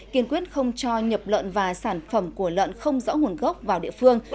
kiên quyết không cho nhập lợn và sản phẩm của lợn không rõ nguồn gốc vào địa phương